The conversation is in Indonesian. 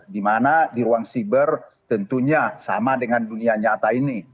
dimana di ruang siber tentunya sama dengan dunia nyata ini